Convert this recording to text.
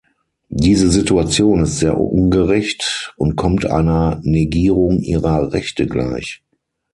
Diese Situation ist sehr ungerecht und kommt einer Negierung ihrer Rechte gleich.